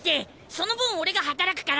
その分俺が働くから。